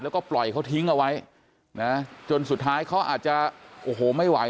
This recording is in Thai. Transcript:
แล้วก็ปล่อยเขาทิ้งเอาไว้นะจนสุดท้ายเขาอาจจะโอ้โหไม่ไหว